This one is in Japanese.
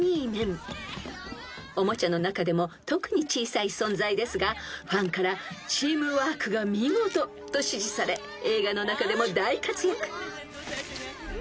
［おもちゃの中でも特に小さい存在ですがファンからチームワークが見事！と支持され映画の中でも大活躍］